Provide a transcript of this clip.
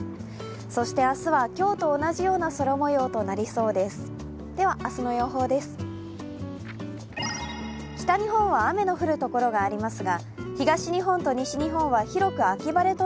そして明日は今日と同じような空もようとなりそうです。